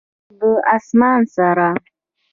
او د اسمان سره،